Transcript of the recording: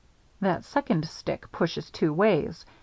"That second stick pushes two ways.